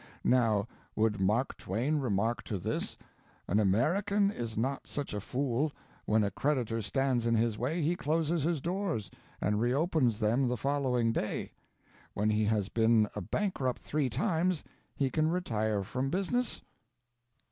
Now would Mark Twain remark to this: 'An American is not such a fool: when a creditor stands in his way he closes his doors, and reopens them the following day. When he has been a bankrupt three times he can retire from business?'